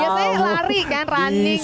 biasanya lari kan running